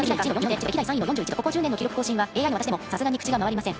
ここ１０年の記録更新はＡＩの私でもさすがに口が回りません。